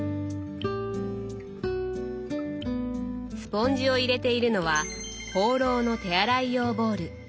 スポンジを入れているのはホーローの手洗い用ボウル。